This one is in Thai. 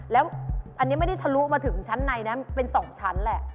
แล้วอันนี้ไม่ได้ทะลุมาถึงชั้นในนะเป็น๒ชั้นแหละ